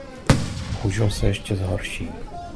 Bohužel se ještě zhorší.